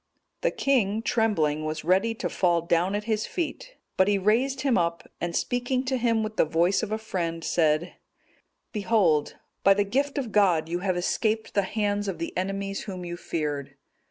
The king, trembling, was ready to fall down at his feet, but he raised him up, and speaking to him with the voice of a friend, said, "Behold, by the gift of God you have escaped the hands of the enemies whom you feared.